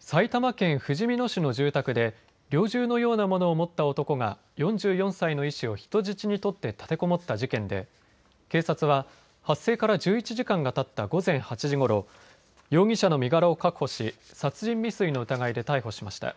埼玉県ふじみ野市の住宅で猟銃のようなものを持った男が４４歳の医師を人質に取って立てこもった事件で警察は発生から１１時間がたった午前８時ごろ、容疑者の身柄を確保し殺人未遂の疑いで逮捕しました。